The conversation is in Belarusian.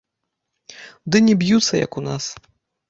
Ды не б'юцца, як у нас.